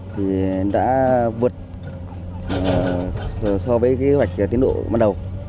thì đã vượt so với kế hoạch tiến độ ban đầu